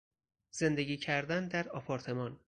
زندگی کردن در آپارتمان